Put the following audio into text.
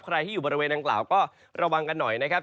ใครที่อยู่บริเวณดังกล่าวก็ระวังกันหน่อยนะครับ